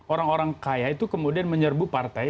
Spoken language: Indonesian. orang orang kaya itu kemudian menyerbu partai